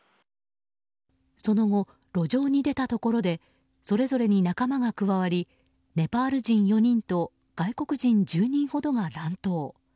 その後、路上に出たところでそれぞれに仲間が加わりネパール人４人と外国人１０人ほどが乱闘。